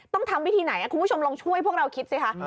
ต้องทำวิธีไหนคุณผู้ชมลองช่วยพวกเราคิดสิคะ